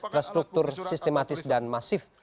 terstruktur sistematis dan masif